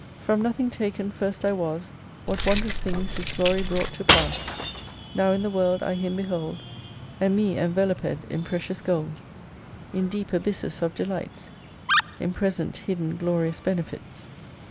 6 From nothing taken first I was ; What wondrous things His glory brought to pass ! Now in the "World I Him behold, And me, enveloped in precious gold ; In deep abysses of delights, In present hidden glorious benefits.